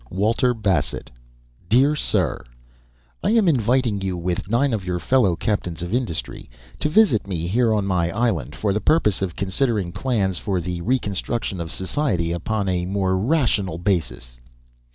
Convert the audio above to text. WALTER BASSETT, "DEAR SIR: "I am inviting you, with nine of your fellow captains of industry, to visit me here on my island for the purpose of considering plans for the reconstruction of society upon a more rational basis.